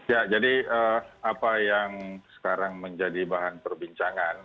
ya jadi apa yang sekarang menjadi bahan perbincangan